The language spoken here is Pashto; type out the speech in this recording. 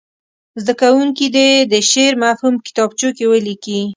زده کوونکي دې د شعر مفهوم په کتابچو کې ولیکي.